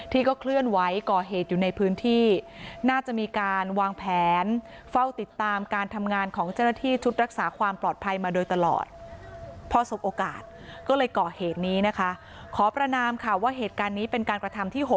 ที่ก็เคลื่อนไว้ก่อเหตุอยู่ในพื้นที่น่าจะมีการวางแผนเฝ้าติดตามการทำงานของเจ้าหน้าที่